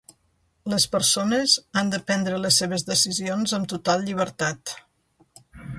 Les persones han de prendre les seves decisions amb total llibertat.